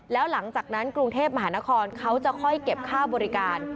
แล้วหลังจากนั้นกรุงเทพมหานครเขาจะค่อยเก็บค่าบริการ